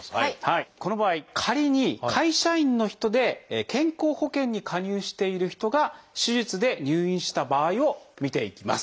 この場合仮に会社員の人で健康保険に加入している人が手術で入院した場合を見ていきます。